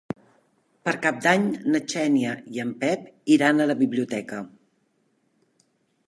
Per Cap d'Any na Xènia i en Pep iran a la biblioteca.